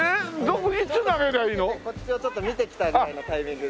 こっちをちょっと見てきたぐらいのタイミングで。